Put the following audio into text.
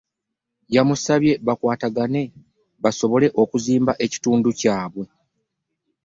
Yamusabye bakwatagane basobole okuzimba ekitundu kyabwe